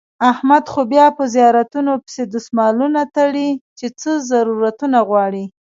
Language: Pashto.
احمد خو بیا په زیارتونو پسې دسمالونه تړي چې څه ضرورتو نه غواړي.